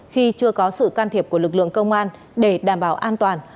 khi chưa có sự can thiệp của lực lượng công an để đảm bảo an toàn